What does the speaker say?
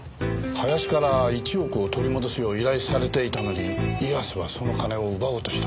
林から１億を取り戻すよう依頼されていたのに岩瀬はその金を奪おうとした。